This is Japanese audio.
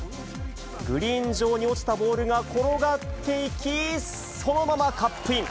グリーン上に落ちたボールが転がっていき、そのままカップイン。